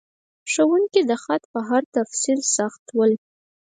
ښوونکي د خط په هر تفصیل سخت ول.